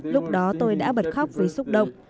lúc đó tôi đã bật khóc vì xúc động